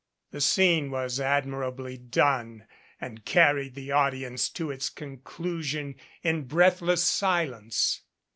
The scene was admirably done and carried the audi ence to its conclusion in breathless silence.